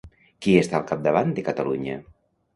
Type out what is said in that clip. Qui està al capdavant de Catalunya?